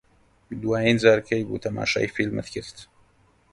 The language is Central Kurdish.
دوایین جار کەی بوو تەماشای فیلمت کرد؟